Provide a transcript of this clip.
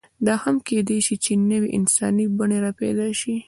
دا هم کېدی شي، چې نوې انساني بڼې راپیدا شي.